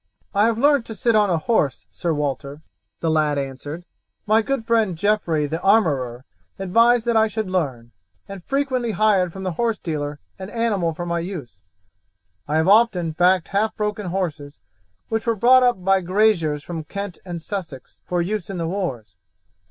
"I have learnt to sit on a horse, Sir Walter," the lad answered. "My good friend Geoffrey, the armourer, advised that I should learn, and frequently hired from the horse dealer an animal for my use. I have often backed half broken horses which were brought up by graziers from Kent and Sussex for use in the wars.